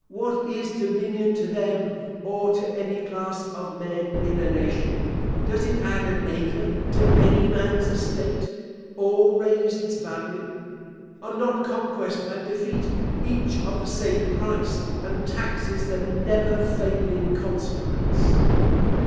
What is dominion to them, or to any class of men in a nation? Does it add an acre to any man's estate, or raise its value? Are not conquest and defeat each of the same price, and taxes the never failing consequence?